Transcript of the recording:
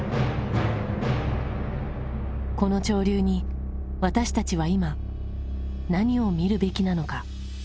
この潮流に私たちは今何を見るべきなのか。